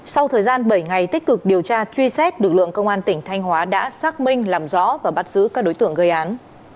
sau thời gian bảy ngày tích cực điều tra truy xét lực lượng công an tỉnh thanh hóa đã xác minh làm rõ và bắt giữ các đối tượng gây án